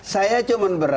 saya cuma berbicara